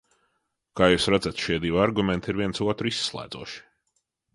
Kā jūs redzat, šie divi argumenti ir viens otru izslēdzoši.